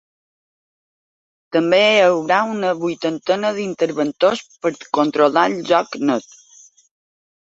També hi haurà una vuitantena d’interventors ‘per controlar el joc net’.